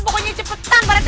pokoknya cepetan pak rt